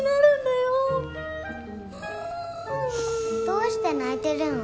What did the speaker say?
どうして泣いてるの？